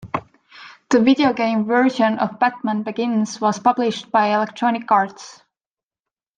The video game version of "Batman Begins" was published by Electronic Arts.